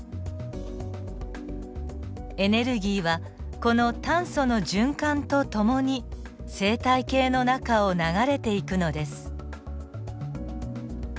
エネルギーはこの炭素の循環とともに生態系の中を流れていくのです。